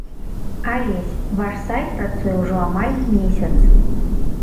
Алесь, ваш сайт працуе ўжо амаль месяц.